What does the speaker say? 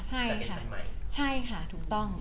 ใช่ค่ะถูกต้อง